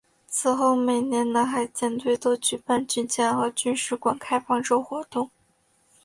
此后每年南海舰队都举办军舰和军史馆开放周活动。